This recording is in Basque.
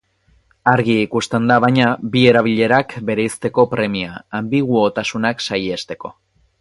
Argi ikusten da, baina, bi erabilerak bereizteko premia, anbiguotasunak saihesteko.